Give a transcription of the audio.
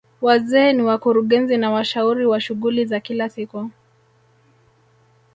Wazee ni wakurugenzi na washauri wa shughuli za kila siku